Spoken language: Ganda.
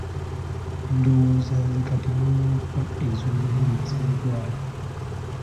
Ndowooza nze kati n'obwompa ez'obwerere sizitwala.